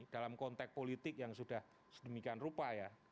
dalam konteks politik yang sudah sedemikian rupa ya